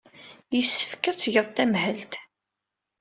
Yessefk ad tgeḍ tamhelt.